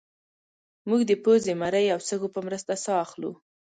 موږ د پوزې مرۍ او سږو په مرسته ساه اخلو